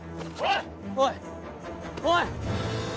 おい！